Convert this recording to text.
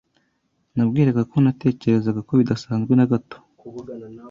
Nabwiraga ko ntatekerezaga ko bidasanzwe na gato.